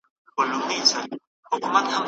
مونږه لاسونه هغه چاته ورکړل.